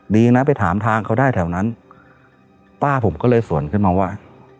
ดีนะไปถามทางเขาได้แถวนั้นป้าผมก็เลยสวนขึ้นมาว่า